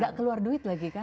gak keluar duit lagi kan